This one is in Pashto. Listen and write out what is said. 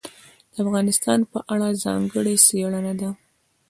دا د افغانستان په اړه ځانګړې څېړنه ده.